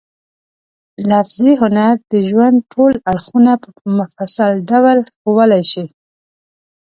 لفظي هنر د ژوند ټول اړخونه په مفصل ډول ښوولای شي.